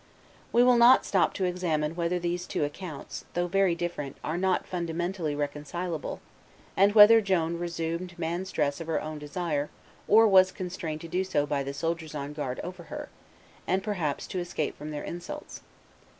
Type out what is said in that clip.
We will not stop to examine whether these two accounts, though very different, are not fundamentally reconcilable, and whether Joan resumed man's dress of her own desire or was constrained to do so by the soldiers on guard over her, and perhaps to escape from their insults.